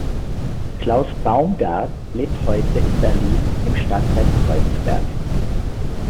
Klaus Baumgart lebt heute in Berlin im Stadtteil Kreuzberg.